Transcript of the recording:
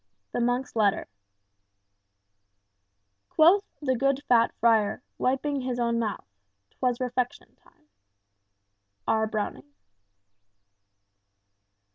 II. The Monk's Letter "Quoth the good fat friar, Wiping his own mouth 'twas refection time." R. Browning.